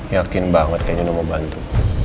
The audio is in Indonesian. yakin banget kayaknya udah mau bantu